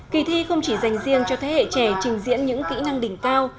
kỳ thi không chỉ dành riêng cho thế hệ trẻ trình diễn những kỹ năng đỉnh cao